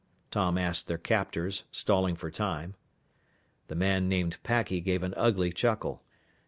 Tom asked their captors, stalling for time. The man named Packy gave an ugly chuckle.